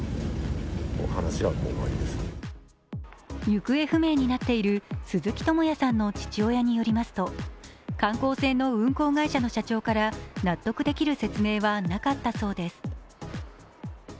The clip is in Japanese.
行方不明になっている鈴木智也さんの父親によりますと観光船の運航会社の社長から納得できる説明はなかったそうです。